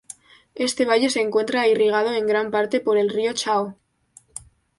Este valle se encuentra irrigado en gran parte por el río Chao.